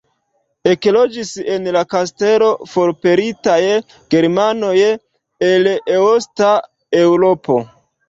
Ekloĝis en la kastelo forpelitaj germanoj el Eosta Eŭropo.